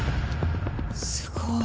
すごい。